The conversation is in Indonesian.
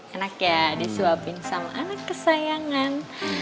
anak ya disuapin sama anak kesayangan